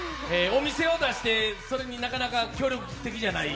お店を出してそれになかなか協力的じゃない？